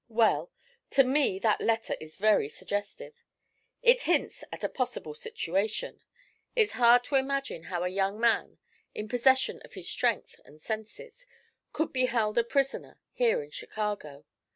'Well, to me that letter is very suggestive. It hints at a possible situation. It's hard to imagine how a young man, in possession of his strength and senses, could be held a prisoner here in Chicago.